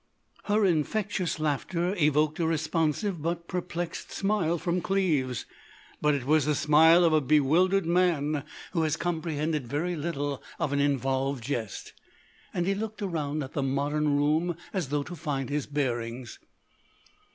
Her infectious laughter evoked a responsive but perplexed smile from Cleves; but it was the smile of a bewildered man who has comprehended very little of an involved jest; and he looked around at the modern room as though to find his bearings.